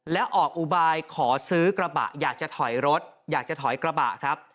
แล้วออกอุบายขอซื้อกระบะอยากจะถอยรถอยากจะถอยกระบะครับ